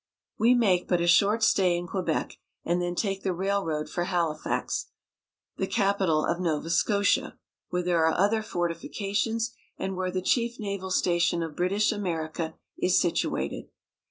We make but a short stay in Quebec, and then take the railroad for Halifax, the capital of Nova Scotia, where there are other fortifications, and where the chief naval station of British America is situated.